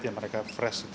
yang mereka fresh gitu